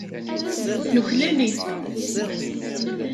Nuklal-it.